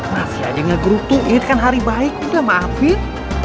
masih aja ngegerutuin kan hari baik udah maafin